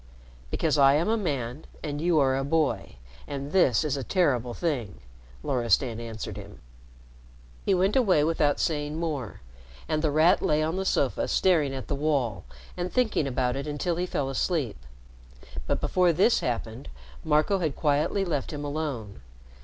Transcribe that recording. "Because I am a man and you are a boy. And this is a terrible thing," Loristan answered him. He went away without saying more, and The Rat lay on the sofa staring at the wall and thinking about it until he fell asleep. But, before this happened, Marco had quietly left him alone.